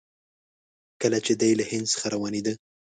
کله چې دی له هند څخه روانېده.